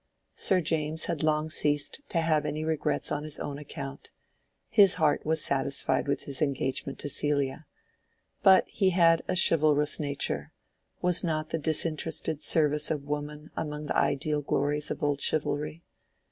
Sir James had long ceased to have any regrets on his own account: his heart was satisfied with his engagement to Celia. But he had a chivalrous nature (was not the disinterested service of woman among the ideal glories of old chivalry?)